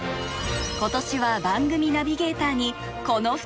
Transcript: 今年は番組ナビゲーターにこの２人が就任受賞者に